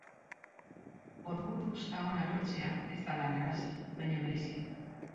Orburu-uzta ona lortzea ez da lan erraza, baina merezi du.